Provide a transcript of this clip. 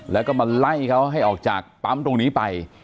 แล้วก็มาไล่เขาให้ออกจากปั๊มตรงนี้ไป